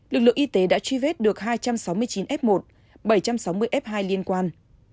lực lượng y tế đã truy vết được hai trăm sáu mươi chín f một bảy trăm sáu mươi f hai liên quan